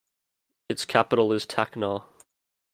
Its capital is Tacna.